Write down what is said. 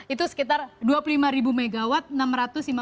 itu sekitar dua puluh lima ribu megawatt